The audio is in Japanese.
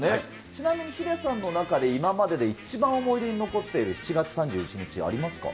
ちなみにヒデさんの中で今までで一番思い出に残っている７月３１